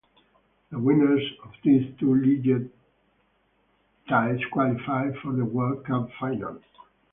The winners of these two-legged ties qualified for the World Cup finals.